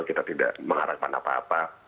kita tidak mengharapkan apa apa